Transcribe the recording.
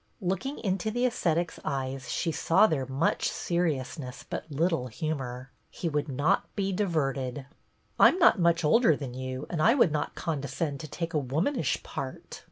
Looking into the ascetic's eyes she saw there much seriousness but little humor. He would not be diverted. " I 'm not much older than you and I would not condescend to take a womanish part."